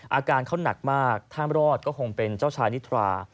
อาการเขาหนักมากถ้ารอดก็คงเป็นเจ้าชายนิทรา